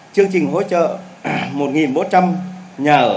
chương trình hỗ trợ một bốn trăm linh nhà ở trong tỉnh tuyên quang